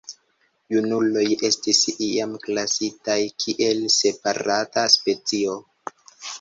Junuloj estis iam klasitaj kiel separata specio.